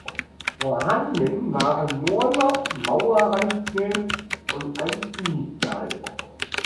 Vorhanden waren nur noch Mauerreste und ein Viehstall.